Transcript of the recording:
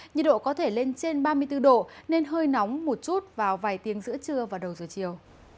nhiệt độ có thể lên trên ba mươi bốn độ nên hơi nóng một chút vào vài tiếng giữa trưa và đầu giờ chiều